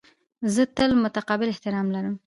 زه تل متقابل احترام لرم.